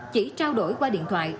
chỉ trao đổi qua điện thoại